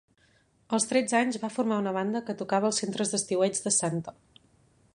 Als tretze anys va formar una banda que tocava als centres d'estiueig de Santa